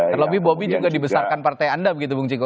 terlebih bobi juga dibesarkan partai anda begitu bung ciko